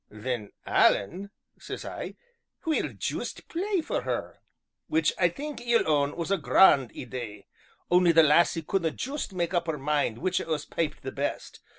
'Then, Alan,' says I, 'we'll juist play for her.' Which I think ye'll own was a graund idee, only the lassie couldna' juist mak' up her mind which o' us piped the best.